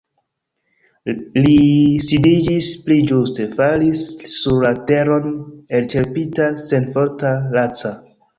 Li sidiĝis, pli ĝuste falis sur la teron elĉerpita, senforta, laca.